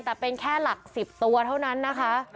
แต่เป็นแค่หลัก๑๐ตัวเท่านั้นนะคะ